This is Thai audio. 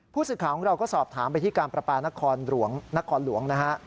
ผู้สื่อข่าวของเราก็สอบถามไปที่การปลาปลานครหลวง